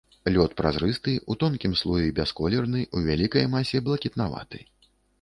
Лёд празрысты, у тонкім слоі бясколерны, у вялікай масе блакітнаваты.